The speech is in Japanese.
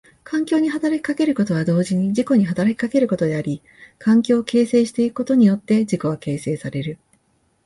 環境に働きかけることは同時に自己に働きかけることであり、環境を形成してゆくことによって自己は形成される。